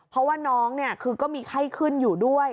เพราะว่าน้องคือก็มีไข้ขึ้นอยู่ด้วย